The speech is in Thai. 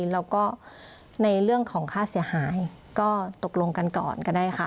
แล้วก็ในเรื่องของค่าเสียหายก็ตกลงกันก่อนก็ได้ค่ะ